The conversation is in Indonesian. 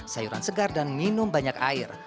sayuran segar dan minum banyak air